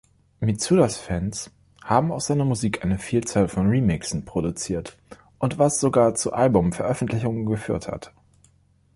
Mitsudas Fans haben aus seiner Musik eine Vielzahl von Remixen produziert und was sogar zu Albumveröffentlichungen geführt hat.